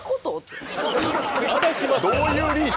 どういうリーチ？